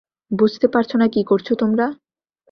বুঝতে পারছো না কি করছো তোমরা!